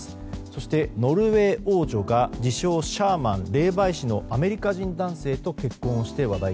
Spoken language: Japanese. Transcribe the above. そして、ノルウェー王女が自称シャーマン霊媒師のアメリカ人男性と結婚して話題。